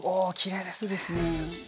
いいですね。